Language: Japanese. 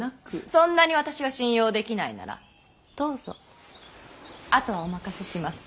そんなに私が信用できないならどうぞあとはお任せします。